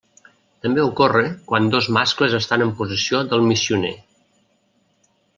També ocorre quan dos mascles estan en posició del missioner.